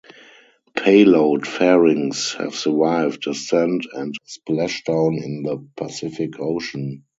Payload fairings have survived descent and splashdown in the Pacific Ocean.